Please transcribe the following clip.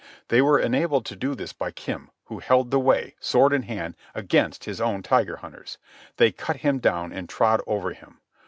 They were enabled to do this by Kim, who held the way, sword in hand, against his own Tiger Hunters. They cut him down and trod over him.